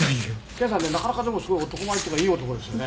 「研さんねなかなかでもすごい男前というかいい男ですよね」